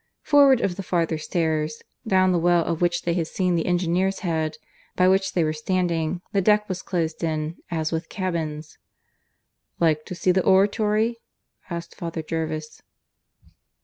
Forward of the farther stairs (down the well of which they had seen the engineer's head), by which they were standing, the deck was closed in, as with cabins. "Like to see the oratory?" asked Father Jervis.